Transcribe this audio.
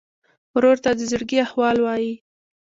ورور ته د زړګي احوال وایې.